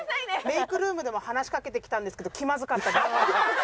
メイクルームでも話しかけてきたんですけど気まずかったです。